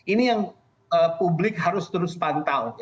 ini yang publik harus terus pantau